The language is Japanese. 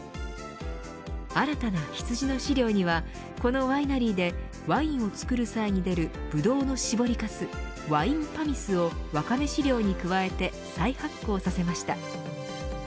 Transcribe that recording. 新たな羊の飼料にはこのワイナリーでワインを造る際に出るぶどうの搾りかすワインパミスをワカメ飼料に加えて再発酵させました。